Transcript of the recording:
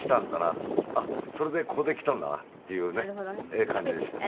あっそれでここできたんだなっていうね感じでしたね。